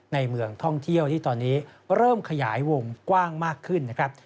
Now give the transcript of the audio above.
เมืองท่องเที่ยวที่ตอนนี้เริ่มขยายวงกว้างมากขึ้นนะครับ